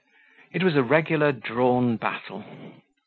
It was a regular drawn battle.